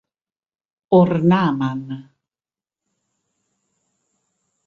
ornaman